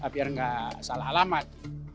biar enggak salah alamat